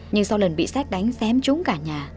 nhưng sau lần bị sách đánh xém trúng cả nhà